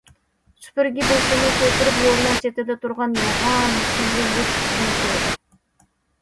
سۈپۈرگە بېشىنى كۆتۈرۈپ يولنىڭ چېتىدە تۇرغان يوغان سەللىلىك كىشىنى كۆردى.